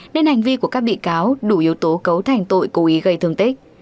nên hành vi của các bị cáo đủ yếu tố cấu thành tội cố ý gây thương tích